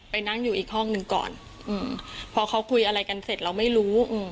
นั่งอยู่อีกห้องหนึ่งก่อนอืมพอเขาคุยอะไรกันเสร็จเราไม่รู้